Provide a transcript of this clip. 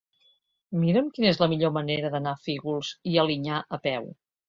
Mira'm quina és la millor manera d'anar a Fígols i Alinyà a peu.